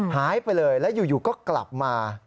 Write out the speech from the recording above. หายไปเลยแล้วอยู่ก็กลับมา